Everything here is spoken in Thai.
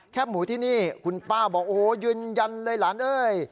หมูที่นี่คุณป้าบอกโอ้โหยืนยันเลยหลานเอ้ย